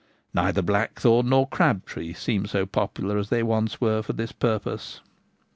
Neither blackthorn nor crabtree seem so popular as they once were for this purpose.